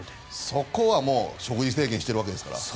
そこは食事制限してるわけですから。